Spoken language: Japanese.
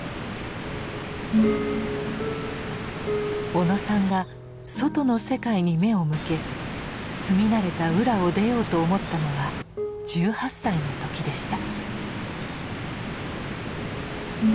小野さんが外の世界に目を向け住み慣れた「浦」を出ようと思ったのは１８歳のときでした。